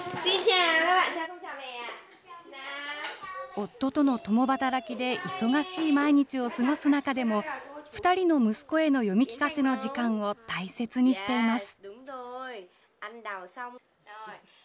夫との共働きで忙しい毎日を過ごす中でも、２人の息子への読み聞かせの時間を大切にしています。